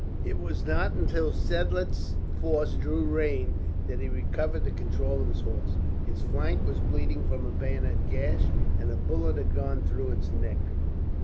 It was not until Seidlitz's force drew rein that he recovered the control of his horse. Its flank was bleeding from a bayonet gash, and a bullet had gone through its neck.